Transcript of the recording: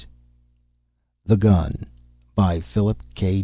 net THE GUN By PHILIP K.